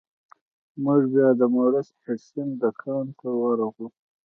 موږ بیا د مورس هډسن دکان ته ورغلو.